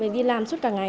đi làm suốt cả ngày